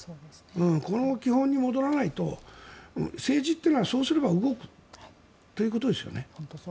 この基本に戻らないと政治というのはそうすれば動くということですよね。